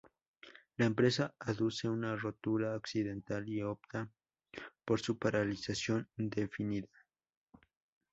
La empresa aduce una rotura accidental y opta por su paralización indefinida.